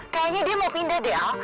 kayaknya dia mau pindah deh al